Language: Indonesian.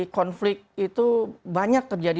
konflik itu banyak terjadi